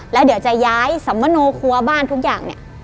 แล้วเดี๋ยวจะย้ายสัมมโนครัวบ้านทุกอย่างเนี่ย